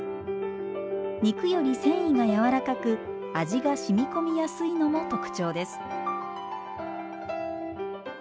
肉より繊維がやわらかく味がしみ込みやすいのも特徴です。